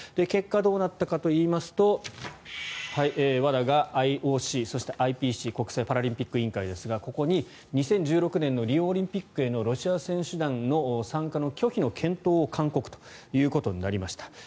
結果、どうなったかといいますとＷＡＤＡがＩＯＣ、そしてＩＰＣ・国際パラリンピック委員会ですがここに２０１６年のリオオリンピックへのロシア選手団の参加の拒否の検討を勧告となりました。